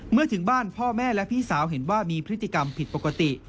เมื่อถึงบ้านพ่อแม่และพี่สาวเห็นว่ามีพฤติกรรมผิดปกติ